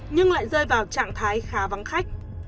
nhưng lại rơi vào trạng thái khá vắng khách